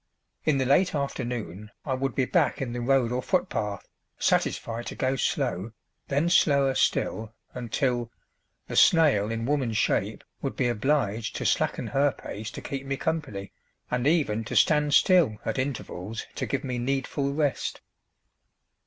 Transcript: In the late afternoon I would be back in the road or footpath, satisfied to go slow, then slower still, until the snail in woman shape would be obliged to slacken her pace to keep me company, and even to stand still at intervals to give me needful rest.